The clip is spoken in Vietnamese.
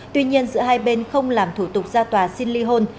tuy nhiên giữa hai bên không làm thủ tục ra tòa xin ly hôn